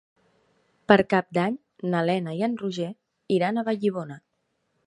Per Cap d'Any na Lena i en Roger iran a Vallibona.